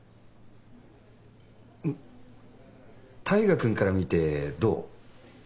大牙君から見てどう？